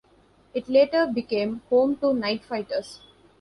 It later became home to night fighters.